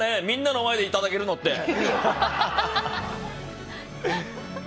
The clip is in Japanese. みんなの前でいただけるのって！